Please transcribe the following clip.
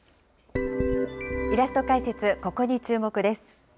イラスト解説・ここに注目！です。